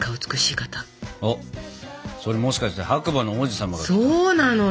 それもしかして白馬の王子様が来たの？